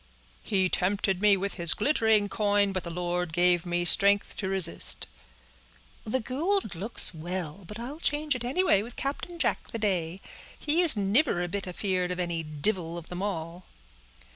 "He tempted me with his glittering coin, but the Lord gave me strength to resist." "The goold looks well; but I'll change it, anyway, with Captain Jack, the day. He is niver a bit afeard of any divil of them all!"